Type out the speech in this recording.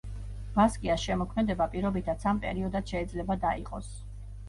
ბასკიას შემოქმედება პირობითად სამ პერიოდად შეიძლება დაიყოს.